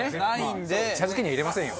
茶漬けには入れませんよ！